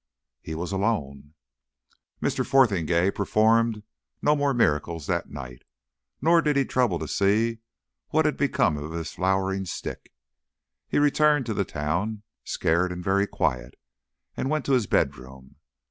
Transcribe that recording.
He was alone! Mr. Fotheringay performed no more miracles that night, nor did he trouble to see what had become of his flowering stick. He returned to the town, scared and very quiet, and went to his bed room.